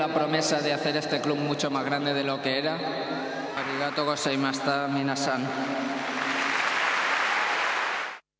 ありがとうございました皆さん。